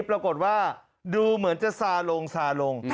ปรากฏว่าดูเหมือนจะสารง